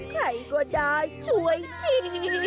ใครก็ได้ช่วยที